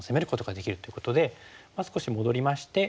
少し戻りまして。